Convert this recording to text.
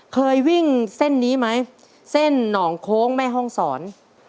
เคยวิ่งเส้นนี้ไหมเส้นหนองโค้งแม่ห้องศร